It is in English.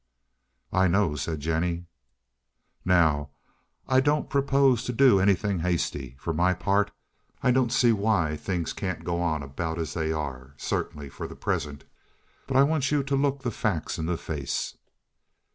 "I know," said Jennie. "Now, I don't propose to do anything hasty. For my part I don't see why things can't go on about as they are—certainly for the present—but I want you to look the facts in the face."